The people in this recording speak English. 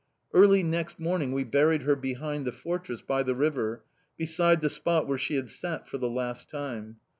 "Early next morning we buried her behind the fortress, by the river, beside the spot where she had sat for the last time.